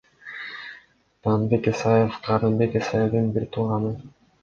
Талантбек Исаев — Канатбек Исаевдин бир тууганы.